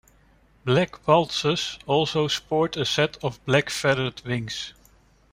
Black Waltzes also sport a set of black feathered wings.